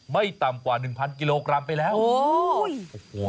ไม่ต่ำกว่า๑๐๐๐กิโลกรัมไปแล้ว